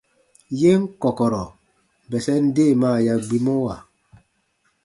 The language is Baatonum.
Yen kɔ̀kɔ̀rɔ̀ bɛsɛn deemaa ya gbimɔwa.